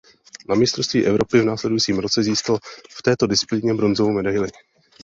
Na mistrovství Evropy v následujícím roce získal v této disciplíně bronzovou medaili.